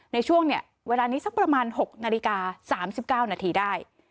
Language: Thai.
ในช่วงเนี่ยเวลานี้สักประมาณ๖นาฬิกา๓๙นาทีได้